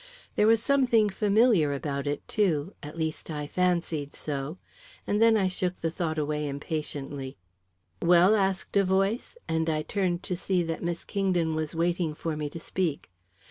There was something familiar about it, too at least, I fancied so and then I shook the thought away impatiently. "Well?" asked a voice, and I turned to see that Miss Kingdon was waiting for me to speak.